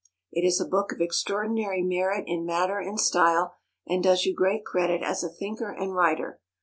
It is a book of extraordinary merit in matter and style, and does you great credit as a thinker and writer.